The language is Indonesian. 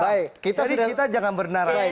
jadi kita jangan bernarahi